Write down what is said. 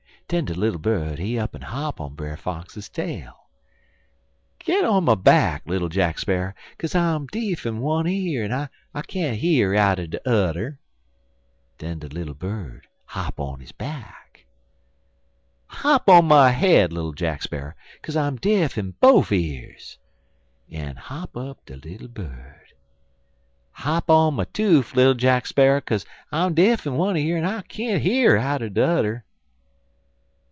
"Den de little bird he up'n hop on Brer Fox's tail. "'Git on my back, little Jack Sparrer, kaze I'm de'f in one year en I can't hear out'n de udder.' "Den de little bird hop on his back. "'Hop on my head, little Jack Sparrer, kaze I'm de'f in bofe years.' "Up hop de little bird. "'Hop on my toof, little Jack Sparrer, kaze I'm de'f in one year en I can't hear out'n de udder.'